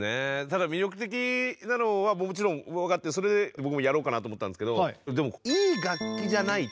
ただ魅力的なのはもちろん分かってそれで僕もやろうかなと思ったんですけど。